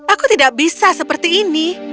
aku tidak bisa seperti ini